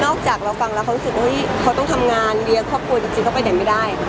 นอกจากเราฟังแล้วเขาต้องทำงานเรียกครอบครัวจริงก็ไปแด่งไม่ได้